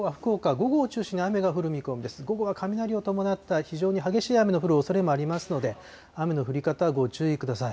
午後は雷を伴った非常に激しい雨の降るおそれもありますので、雨の降り方、ご注意ください。